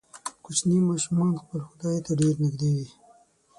کوچني ماشومان خپل خدای ته ډیر نږدې وي.